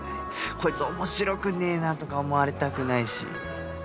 こいつ面白くねえなとか思われたくないし